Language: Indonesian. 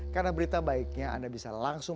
karena berita baiknya anda bisa langsung